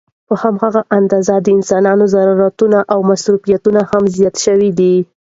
په هماغه اندازه د انسانانو ضرورتونه او مصروفيتونه هم زيات شوي دي